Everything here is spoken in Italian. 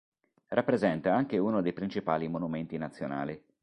Rappresenta anche uno dei principali monumenti nazionali.